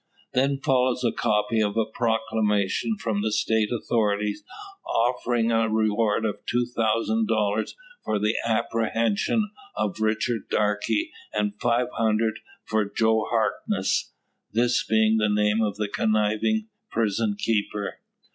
Then follows the copy of a proclamation from the State authorities, offering a reward of two thousand dollars for the apprehension of Richard Darke, and five hundred for Joe Harkness this being the name of the conniving prison keeper.